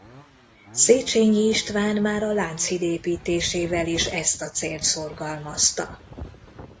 Széchenyi István már a Lánchíd építésével is ezt a célt szorgalmazta.